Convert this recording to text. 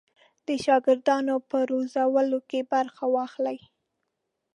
د شاګردانو په روزلو کې برخه واخلي.